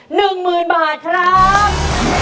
หนึ่งหมื่นบาทครับ